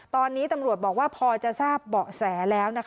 ตอนนี้ตำรวจบอกว่าพอจะทราบเบาะแสแล้ว